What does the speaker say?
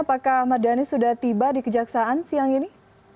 apakah ahmad dhani sudah tiba di kejaksaan siang ini